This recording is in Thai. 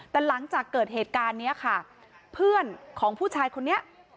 แต่หลังจากเกิดเหตุการณ์นี้ค่ะเพื่อนของผู้ชายคนนี้